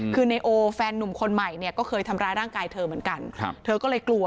คือในโอแฟนหนุ่มคนใหม่เนี่ยก็เคยทำร้ายร่างกายเธอเหมือนกันครับเธอก็เลยกลัว